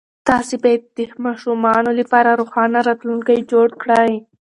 تاسې باید د ماشومانو لپاره روښانه راتلونکی جوړ کړئ.